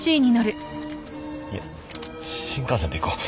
いや新幹線で行こう。